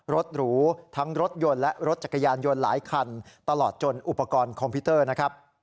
หรูทั้งรถยนต์และรถจักรยานยนต์หลายคันตลอดจนอุปกรณ์คอมพิวเตอร์นะครับ